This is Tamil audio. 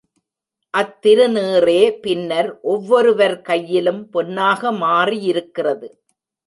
அத்திரு நீறே பின்னர் ஒவ்வொருவர் கையிலும் பொன்னாக மாறியிருக்கிறது.